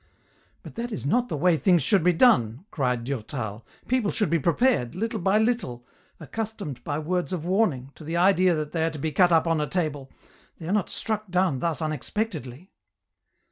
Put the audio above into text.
" But that is not the way things should be done," cried Durtal, " people should be prepared, little by little, accustomed by words of warning, to the idea that they are to be cut up on a table, they are not struck down thus unexpectedly